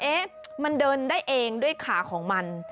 เอ๊ะมันเดินได้เองด้วยขาของมัน